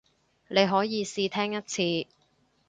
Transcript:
你可以試聽一次